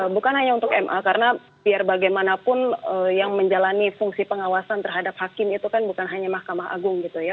bukan hanya untuk ma karena biar bagaimanapun yang menjalani fungsi pengawasan terhadap hakim itu kan bukan hanya mahkamah agung gitu ya